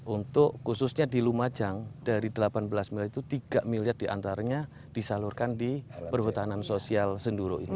untuk khususnya di lumajang dari delapan belas miliar itu tiga miliar diantaranya disalurkan di perhutanan sosial senduro ini